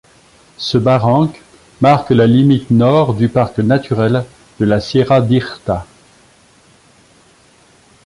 Ce barranc marque la limite nord du Parc naturel de la Sierra d'Irta.